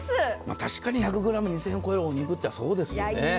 確かに１００ｇ２０００円を超えるお肉ってそうですよね。